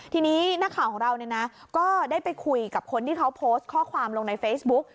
ทีนี้นักข่าวของเราก็ได้ไปคุยกับคนที่เขาโพสต์ข้อความลงในเฟซบุ๊ก